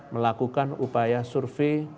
melakukan upaya survei